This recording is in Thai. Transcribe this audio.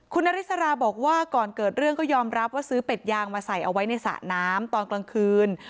คุณนาริสราบอกว่าก่อนเกิดเรื่องก็ยอมรับว่าซื้อเป็ดยางมาใส่เอาไว้ในสระน้ำตอนกลางคืน